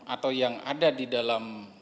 atau yang ada di dalam